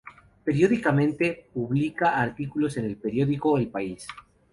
Periódicamente publica artículos en el periódico "El País"